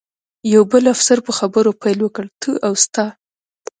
یو بل افسر په خبرو پیل وکړ، ته او ستا.